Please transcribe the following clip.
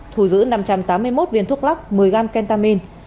thù giữ năm trăm tám mươi một viên thuốc lắc một mươi gam kentamin